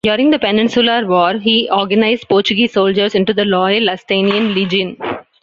During the Peninsular War he organized Portuguese soldiers into the Loyal Lusitanian Legion.